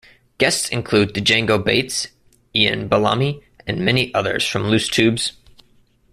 Guests included Django Bates, Iain Ballamy and many others from Loose Tubes.